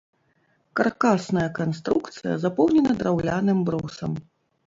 Каркасная канструкцыя запоўнена драўляным брусам.